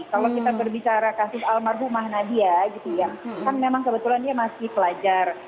kalau kita berbicara kasus almarhumah nadia gitu ya kan memang kebetulan dia masih pelajar